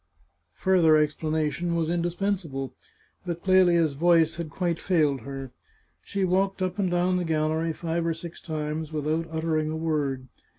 Further explanation was indispensable. But Clelia's voice had quite failed her. She walked up and down the gallery five or six times without uttering a word.